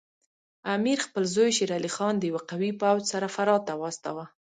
امیر خپل زوی شیر علي خان د یوه قوي پوځ سره فراه ته واستاوه.